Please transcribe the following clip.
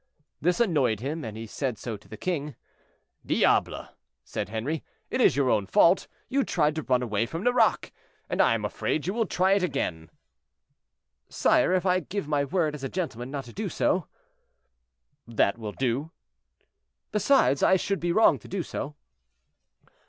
This annoyed him, and he said so to the king. "Diable!" said Henri, "it is your own fault; you tried to run away from Nerac, and I am afraid you will try it again." "Sire, if I give my word as a gentleman not to do so?" "That will do." "Besides, I should be wrong to do so."